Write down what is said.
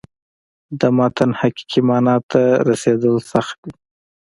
د متن حقیقي معنا ته رسېدل سخت دي.